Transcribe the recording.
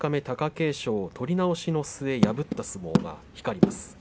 貴景勝取り直しの末、破った相撲が光ります。